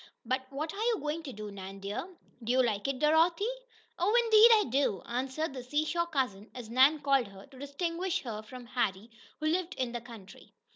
"But what are you going to do, Nan, dear? Do you like it, Dorothy?" "Oh! indeed I do," answered the "seashore cousin," as Nan called her to distinguish her from Harry, who lived in the country.